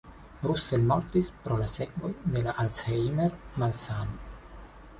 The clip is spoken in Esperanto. Russell mortis pro la sekvoj de la Alzheimer-malsano.